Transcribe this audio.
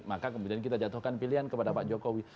maka kemudian kita jatuhkan pilihan kepada pak jokowi